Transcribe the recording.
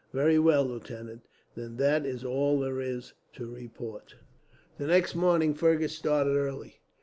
"Very well, lieutenant, then that is all there is to report." The next morning Fergus started early.